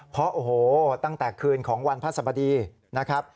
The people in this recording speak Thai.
เพราะโอ้โหตั้งแต่คืนของวันพระสบดีนะครับ